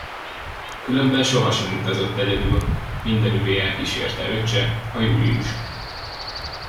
Különben sohasem utazott egyedül: mindenüvé elkísérte öccse, a Július.